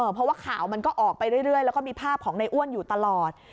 เพราะว่าข่าวมันก็ออกไปเรื่อยแล้วก็มีภาพของในอ้วนอยู่ตลอด